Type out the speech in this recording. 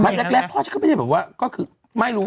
แรกพ่อฉันก็ไม่ได้แบบว่าก็คือไม่รู้